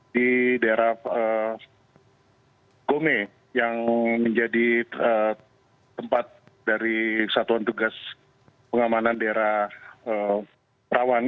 di daerah gome yang menjadi tempat dari satuan tugas pengamanan daerah rawan